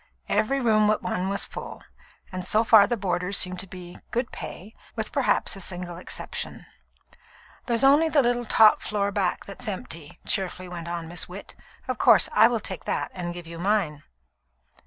Every room but one was full, and so far the boarders seemed to be "good pay," with perhaps a single exception. "There's only the little top floor back that's empty," cheerfully went on Miss Witt. "Of course, I will take that and give you mine."